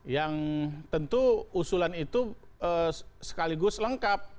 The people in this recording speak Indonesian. yang tentu usulan itu sekaligus lengkap